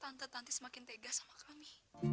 kenapa tante tanti semakin tegas sama kami